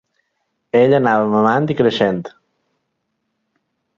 Ell anava mamant i creixent.